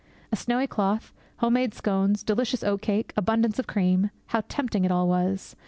A snowy cloth, home made scones, delicious oat cake, abundance of cream how tempting it all was!